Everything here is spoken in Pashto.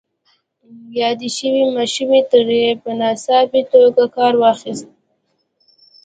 يادې شوې ماشومې ترې په ناڅاپي توګه کار واخيست.